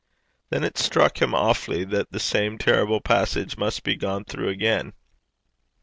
Then it struck him awfully that the same terrible passage must be gone through again.